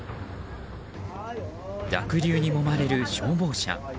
濁流にもまれる消防車。